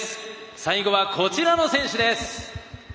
最後は、こちらの選手です！